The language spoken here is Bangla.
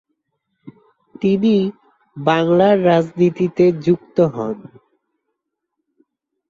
তিনি বাংলার রাজনীতিতে যুক্ত হন।